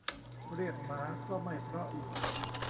เรียกหมาก็ไม่เพราะอีก